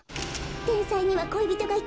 「てんさいにはこいびとがいた！？